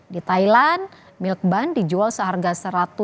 di thailand milk bun dijual seharga rp